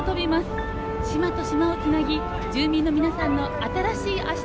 島と島をつなぎ住民の皆さんの新しい足となるのです。